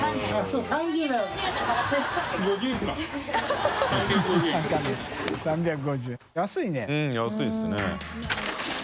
うん安いですね。